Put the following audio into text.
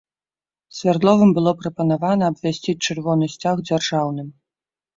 Свярдловым было прапанавана абвясціць чырвоны сцяг дзяржаўным.